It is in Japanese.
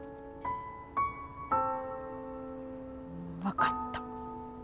分かった。